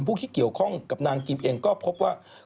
ผู้ที่เกี่ยวข้องกับนางกิมเองก็พบว่า